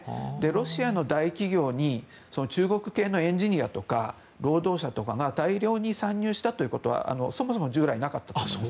ロシアの大企業に中国系のエンジニアとか労働者とかが大量に参入したということはそもそも、従来なかったと。